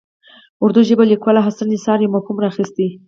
اردو ژبي لیکوال حسن نثار یو مفهوم راخیستی.